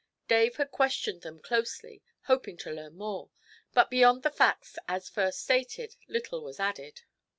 Dave had questioned them closely, hoping to learn more; but beyond the facts as first stated little was added.